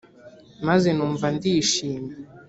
maze numva ndishimye